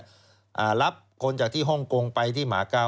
อ่ารับคนจากที่ฮ่องกงไปที่หมากา